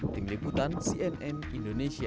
tim liputan cnn indonesia